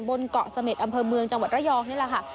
บนเกาะเสม็ดอำเภอเมืองจังหวัดระยองนี่แหละค่ะ